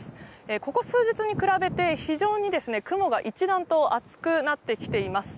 ここ数日に比べて非常にですね、雲が一段と厚くなってきています。